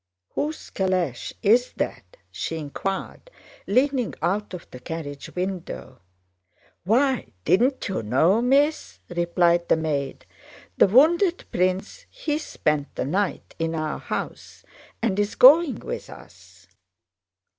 "Whose calèche is that?" she inquired, leaning out of the carriage window. "Why, didn't you know, Miss?" replied the maid. "The wounded prince: he spent the night in our house and is going with us."